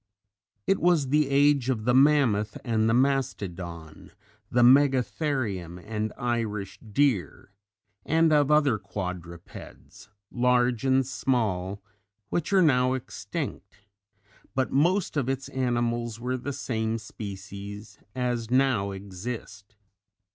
It was the age of the mammoth and the mastodon, the megatherium and Irish deer and of other quadrupeds large and small which are now extinct; but most of its animals were the same species as now exist.